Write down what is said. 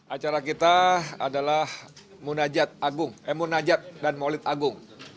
acara kita adalah munajat dan maulid agung